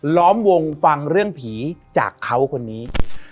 ล้อมวงฟังเรื่องผีจากเขาคนนี้